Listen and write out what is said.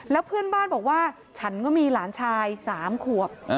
แล้วเพื่อนบ้านบอกว่าฉันก็มีหลานชาย๓ขวบ